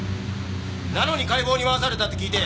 なのに解剖に回されたって聞いて。